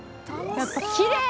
やっぱきれい！